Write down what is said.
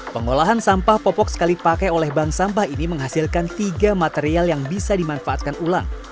pengolahan sampah popok sekali pakai oleh bank sampah ini menghasilkan tiga material yang bisa dimanfaatkan ulang